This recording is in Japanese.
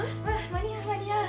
間に合う間に合う。